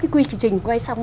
cái quy trình quay xong